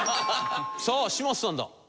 さあ嶋佐さんだ。